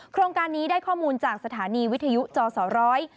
โครงการนี้ได้ข้อมูลจากสถานีวิทยุจอสอร้อย